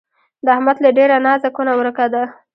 د احمد له ډېره نازه کونه ورکه ده.